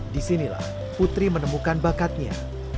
disinilah putri menemukan bakatnya